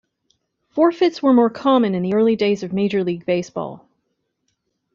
Forfeits were more common in the early days of Major League Baseball.